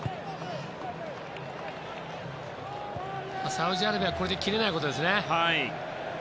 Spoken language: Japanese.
サウジアラビアはこれで切れないことですね。